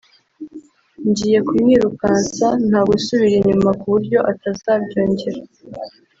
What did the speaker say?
ngiye kumwirukansa nta gusubira inyuma ku buryo atazabyongera”